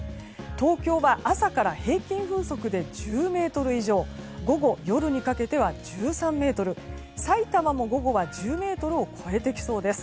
東京は朝から平均風速で１０メートル以上午後、夜にかけては１３メートルさいたまも午後は１０メートルを超えてきそうです。